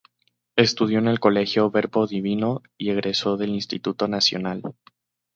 Estudió en el Colegio Verbo Divino y egresó del Instituto Nacional.